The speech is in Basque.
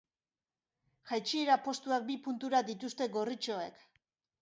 Jaitsiera-postuak bi puntura dituzte gorritxoek.